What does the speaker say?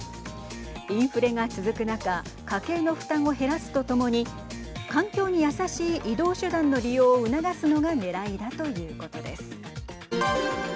インフレが続く中家計の負担を減らすとともに環境に優しい移動手段の利用を促すのがねらいだということです。